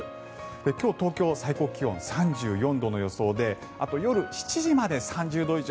今日、東京最高気温は３４度の予想であと、夜７時まで３０度以上。